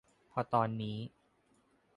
พอตอนนี้